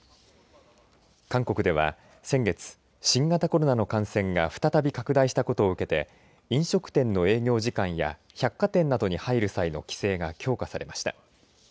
韓国では先月、新型コロナの感染が再び拡大したことを受けて飲食店の営業時間や百貨店などに入る際の規制が強化されました。